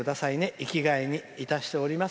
生きがいにいたしております。